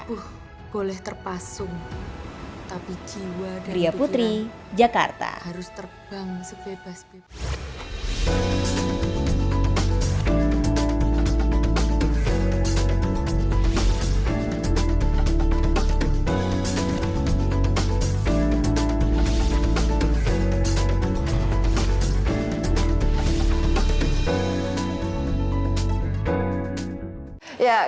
ibu boleh terpasung tapi jiwa dan pikiran harus terbang sebebas bebas